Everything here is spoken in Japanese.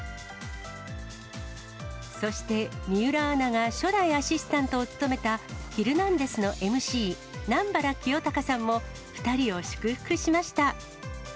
そして、水卜アナが初代アシスタントを務めたヒルナンデス！のＭＣ、南原清隆さんも、２人を祝福しました。